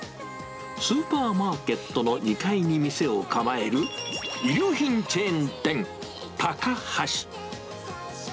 スーパーマーケットの２階に店を構える衣料品チェーン店、タカハシ。